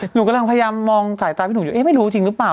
หนูกำลังพยายามมองสายตาพี่หนุ่มอยู่เอ๊ะไม่รู้จริงหรือเปล่า